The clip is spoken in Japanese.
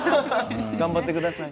頑張ってください。